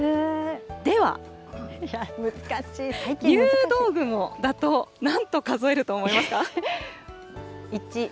では、入道雲だとなんと数えると思いますか？